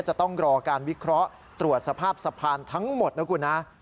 จะต้องรอการวิเคราะห์ตรวจสภาพสะพานทั้งหมดนะคุณนะ